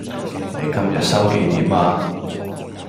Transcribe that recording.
今日收幾點呀?